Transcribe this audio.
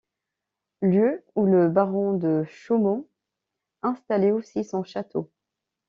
Lieu où le baron de Chaumont installait aussi sont château.